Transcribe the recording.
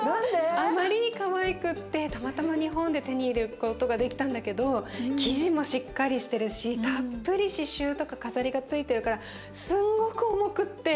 あまりにかわいくってたまたま日本で手に入れることができたんだけど生地もしっかりしてるしたっぷり刺しゅうとか飾りがついてるからすんごく重くって。